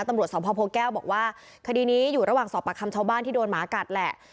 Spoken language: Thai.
ตำรวจสพโพแก้วบอกว่าคดีนี้อยู่ระหว่างสอบประคำชาวบ้านที่โดนหมากัดแหละ